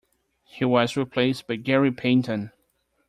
He was replaced by Gary Payton.